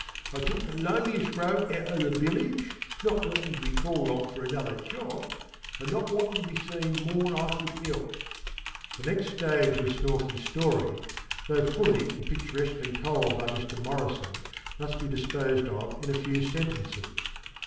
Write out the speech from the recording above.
I took the loneliest road out o' the village, not wantin' to be called on for another job, an' not wantin' to be seen more'n I could 'elp.'" The next stage of Snorkey's story, though fully and picturesquely told by Mr. Morrison, must be disposed of in a few sentences.